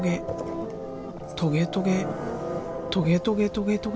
トゲトゲ。